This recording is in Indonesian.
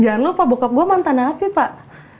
jangan lupa bekap gue mantan api pak